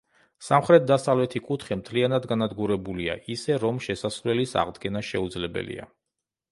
სამხრეთ-დასავლეთი კუთხე მთლიანად განადგურებულია, ისე, რომ შესასვლელის აღდგენა შეუძლებელია.